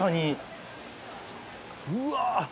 うわ！